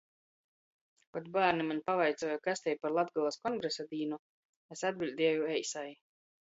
Kod bārni maņ pavaicuoja, kas tei par Latgolys kongresa dīnu, es atbiļdieju eisai.